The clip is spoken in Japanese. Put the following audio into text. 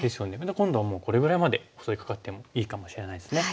今度はもうこれぐらいまで襲いかかってもいいかもしれないですね。